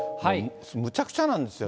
むちゃくちゃなんですよね。